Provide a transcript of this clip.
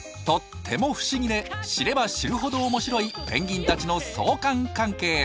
とっても不思議で知れば知るほど面白いペンギンたちの相関関係。